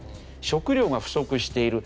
「食料が不足している」